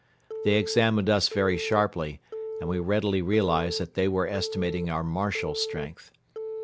They examined us very sharply and we readily realized that they were estimating our martial strength.